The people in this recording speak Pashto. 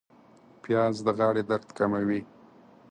پیاز د غاړې درد کموي